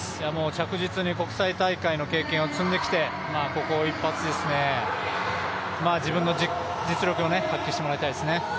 着実に国際大会の経験を積んできていて、ここ一発ですね、自分の実力を発揮してもらいたいですね。